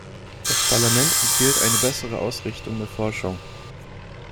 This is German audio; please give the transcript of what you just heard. Das Parlament empfiehlt eine bessere Ausrichtung der Forschung.